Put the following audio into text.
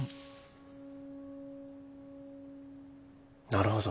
なるほど。